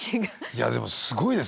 いやでもすごいですね。